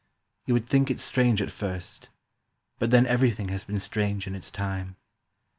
You would think it strange at first, but then Everything has been strange in its time.